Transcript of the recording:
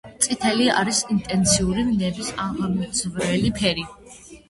წითელი არის ინტენსიური, ვნების აღმძვრელი ფერი.